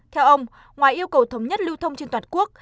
theo ông ngoài yêu cầu thống nhất lưu thông trên toàn quốc